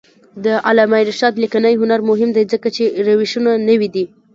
د علامه رشاد لیکنی هنر مهم دی ځکه چې روشونه نوي دي.